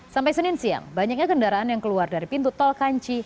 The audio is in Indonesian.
sampai senin siang banyaknya kendaraan yang keluar dari pintu tol kanci